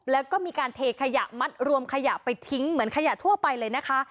แล้วก็มีการเทขยะมัดรวมขยะไปทิ้งเหมือนขยะทั่วไปเลยนะคะ